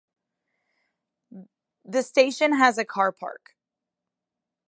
The station has a car park.